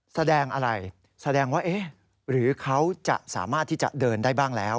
แสดงอะไรแสดงว่าเอ๊ะหรือเขาจะสามารถที่จะเดินได้บ้างแล้ว